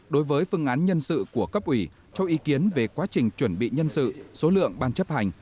đối với phương án nhân sự của cấp ủy cho ý kiến về quá trình chuẩn bị nhân sự số lượng ban chấp hành